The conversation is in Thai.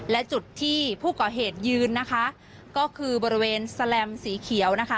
และจุดที่ผู้ก่อเหตุยืนนะคะก็คือบริเวณแสลมสีเขียวนะคะ